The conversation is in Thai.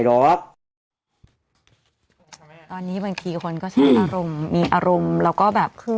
ตอนนี้บางทีคนก็ใช้อารมณ์มีอารมณ์แล้วก็แบบคือ